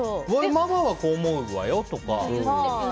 ママはこう思うわよとか。